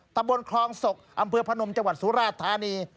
ตะบนคลองศกอำเภอพนมจังหวัดสุราชธานี